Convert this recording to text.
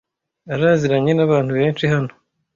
Araziranye nabantu benshi hano.